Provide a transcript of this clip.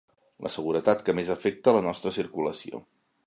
La seguretat que més afecta la nostra circulació.